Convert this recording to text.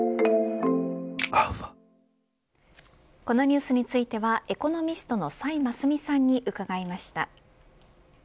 このニュースについてはエコノミストの崔真淑さんに伺いました。